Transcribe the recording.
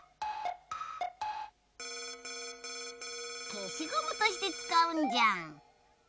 けしゴムとしてつかうんじゃん。